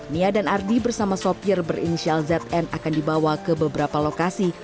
nia dan ardi bersama sopir berinisial zn akan dibawa ke beberapa lokasi